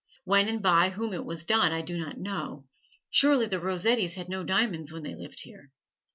When and by whom it was done I do not know. Surely the Rossettis had no diamonds when they lived here.